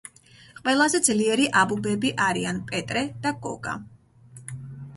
ყველაზე ძლიერი აბუბები არიან პეტრე, და გოგა